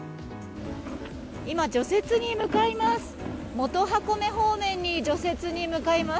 今、除雪に向かいます。